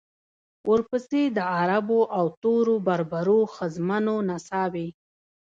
ورپسې د عربو او تورو بربرو ښځمنو نڅاوې.